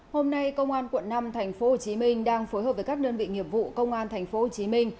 hôm nay công an quận năm thành phố hồ chí minh đang phối hợp với các đơn vị nghiệp vụ công an thành phố hồ chí minh